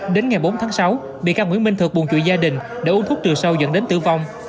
đến ngày bốn tháng sáu bị cao nguyễn minh thược buồn chửi gia đình để uống thuốc trừ sâu dẫn đến tử vong